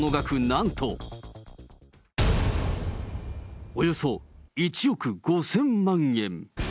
なんと、およそ１億５０００万円。